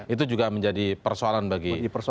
itu juga menjadi persoalan bagi persoalan